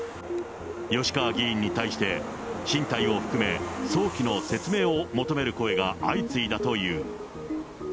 吉川議員に対して進退を含め、早期の説明を求める声が相次いだという。